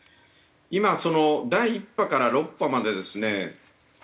今第１波から６波までですね